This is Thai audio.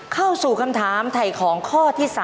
เข้าสู่คำถามถ่ายของข้อที่๓